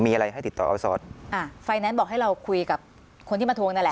มีอะไรให้ติดต่อออซอสอ่าไฟแนนซ์บอกให้เราคุยกับคนที่มาทวงนั่นแหละ